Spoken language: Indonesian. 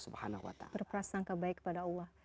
berprasangka baik kepada allah